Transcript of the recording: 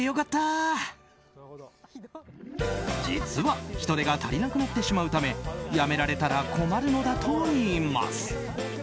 実は人手が足りなくなってしまうため辞められたら困るのだといいます。